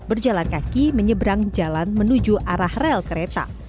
berjalan kaki menyeberang jalan menuju arah rel kereta